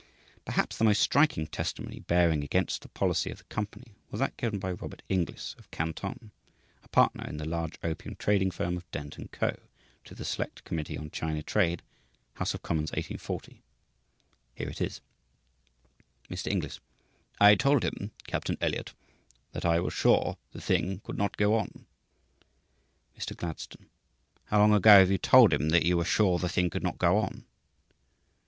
Perhaps the most striking testimony bearing against the policy of the company was that given by Robert Inglis, of Canton, a partner in the large opium trading firm of Dent & Co., to the Select Committee on China Trade (House of Commons, 1840). Here it is: Mr. Inglis. "I told him (Captain Elliot) that I was sure the thing could not go on." Mr. Gladstone. "How long ago have you told him that you were sure the thing could not go on?"